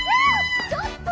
・ちょっと！